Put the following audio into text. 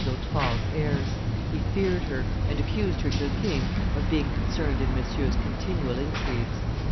d'Hautefort's airs: he feared her, and accused her to the king of being concerned in Monsieur's continual intrigues.